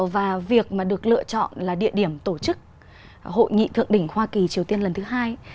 và việc mà được lựa chọn là địa điểm tổ chức hội nghị thượng đỉnh hoa kỳ triều tiên lần thứ hai